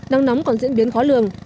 nắng nóng còn diễn biến khó lường